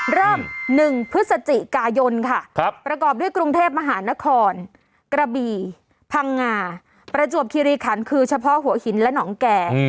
เริ่ม๑พฤศจิกายนค่ะประกอบด้วยกรุงเทพมหานครกระบี่พังงาประจวบคิริขันคือเฉพาะหัวหินและหนองแก่